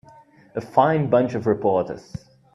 A fine bunch of reporters.